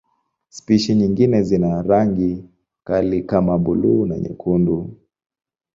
Spishi nyingine zina rangi kali kama buluu na nyekundu.